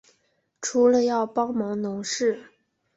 除了要帮忙农事